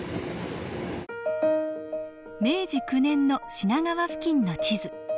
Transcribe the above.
明治９年の品川付近の地図。